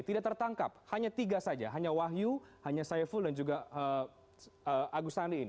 tidak tertangkap hanya tiga saja hanya wahyu hanya saiful dan juga agustani ini